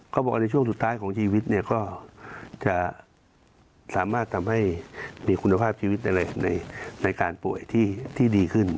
เขาบอกว่าในช่วงสุดท้ายของชีวิตเนี่ยก็จะสามารถทำให้มีคุณภาพชีวิตในการป่วยที่ดีขึ้น